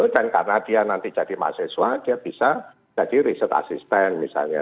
dan karena dia nanti jadi mahasiswa dia bisa jadi reset assistant misalnya